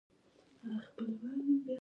علم د قومونو ترمنځ تفاهم زیاتوي